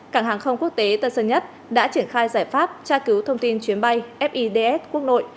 cảng hàng không quốc tế tân sơn nhất đã triển khai giải pháp tra cứu thông tin chuyến bay fids quốc nội